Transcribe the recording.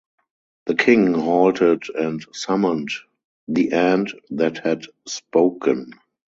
The king halted and summoned the ant that had spoken.